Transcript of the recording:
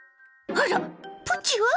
あらプチは？